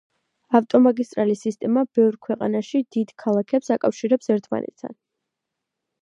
ავტომაგისტრალის სისტემა ბევრ ქვეყანაში დიდი ქალაქებს აკავშირებს ერთმანეთთან.